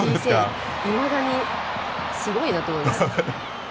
いまだにすごいなと思います。